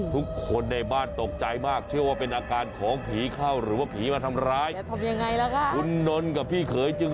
ทุกคนในบ้านตกใจมากเชื่อว่าเป็นอาการของผีเข้าหรือว่าผีมาทำร้าย